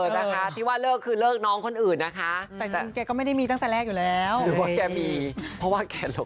แต่คิดว่าเรื่องเนี้ยจะร้อยล้านใช่มะ